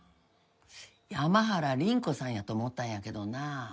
山原倫子さんやと思ったんやけどな。